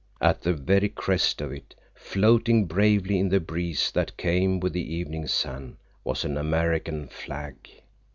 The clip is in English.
At the very crest of it, floating bravely in the breeze that came with the evening sun, was an American flag!